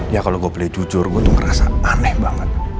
ya kalau gue boleh jujur gue tuh ngerasa aneh banget